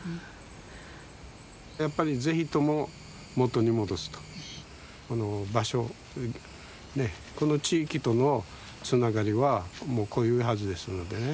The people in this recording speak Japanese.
やっぱりぜひとも元に戻すとこの場所この地域とのつながりはもう濃いはずですのでね